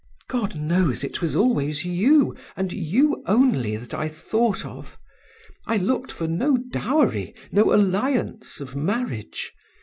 God knows it was always you, and you only that I thought of. I looked for no dowry, no alliance of marriage.